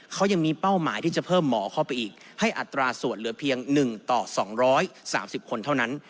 เขายังมีเป้าหมายที่จะเพิ่มหมอเข้าไปอีกให้อัตราส่วนเหลือเพียง๑ต่อ๒๓๐คนเท่านั้น